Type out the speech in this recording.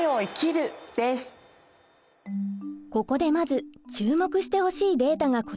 ここでまず注目してほしいデータがこちら！